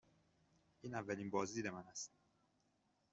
این اولین بازدید من است.